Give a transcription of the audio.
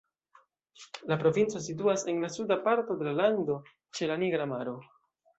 La provinco situas en la suda parto de la lando, ĉe la Nigra Maro.